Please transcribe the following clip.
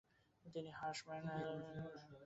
তিনি Hermann von Helmholtz এর গবেষণাগারে কাজ করেন।